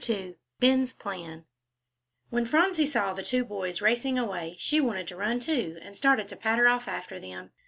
II BEN'S PLAN When Phronsie saw the two boys racing away, she wanted to run too, and started to patter off after them.